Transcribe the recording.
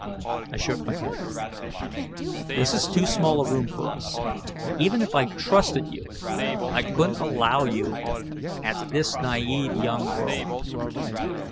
I shook my head. "This is too small a room for us. Even if I trusted you, I couldn't allow you at this naive young world."